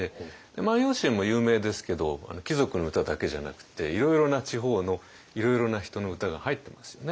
「万葉集」も有名ですけど貴族の歌だけじゃなくていろいろな地方のいろいろな人の歌が入ってますよね。